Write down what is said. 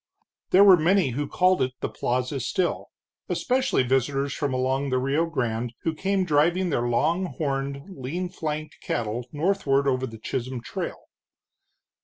There were many who called it the plaza still, especially visitors from along the Rio Grande who came driving their long horned, lean flanked cattle northward over the Chisholm Trail.